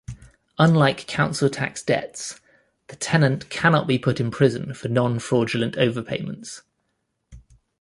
Unlike council tax debts, the tenant cannot be put in prison for non-fraudulent overpayments.